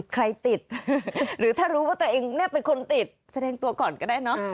ใครติดหรือถ้ารู้ว่าตัวเองเป็นคนติดแสดงตัวก่อนก็ได้เนอะ